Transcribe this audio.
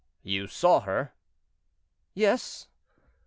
"You saw her?" "Yes."